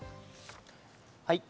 はい。